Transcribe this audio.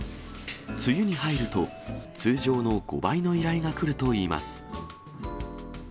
梅雨に入ると、通常の５倍の依頼が来るといいます。